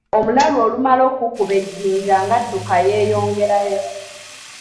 Omulalu olumala okukuba ejjinja nga adduka yeeyongerayo.